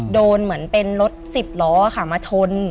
โดนเหมือนเป็นรถสิบล้อค่ะมาชน